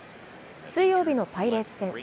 水曜日のパイレーツ戦。